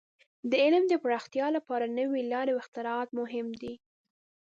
د علم د پراختیا لپاره نوې لارې او اختراعات مهم دي.